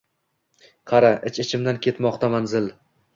Qara, ich-ichimdan ketmoqdaman zil